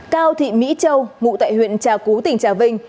cao thị mỹ châu ngụ tại huyện trà cú tỉnh trà vinh